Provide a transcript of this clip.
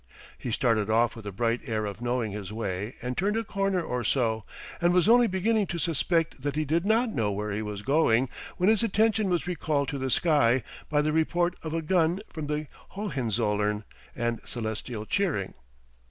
He started off with a bright air of knowing his way and turned a corner or so, and was only beginning to suspect that he did not know where he was going when his attention was recalled to the sky by the report of a gun from the Hohenzollern and celestial cheering.